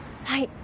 はい。